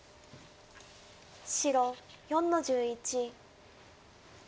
白４の十一。